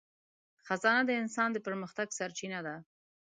خزانه د انسان د پرمختګ سرچینه ده.